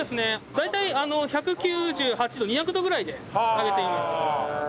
大体１９８度２００度ぐらいで揚げています。